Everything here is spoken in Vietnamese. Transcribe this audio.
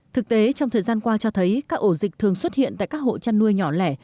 thực tế trong thời gian qua cho thấy các ổ dịch thường xuất hiện tại các hộ chăn nuôi nhỏ lẻ